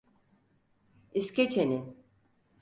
İskeçe'nin.